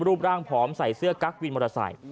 รูปร่างผอมใส่เสื้อกั๊กวินมอเตอร์ไซค์